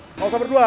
enggak usah berdua